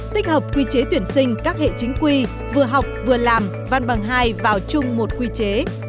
tích hợp quy chế tuyển sinh các hệ chính quy vừa học vừa làm văn bằng hai vào chung một quy chế